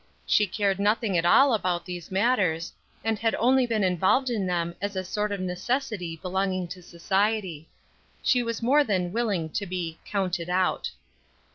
She cared nothing at all about these matters, and had only been involved in them as a sort of necessity belonging to society. She was more than willing to be "counted out."